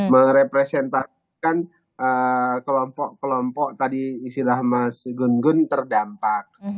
merepresentasikan kelompok kelompok tadi istilah mas gun gun terdampak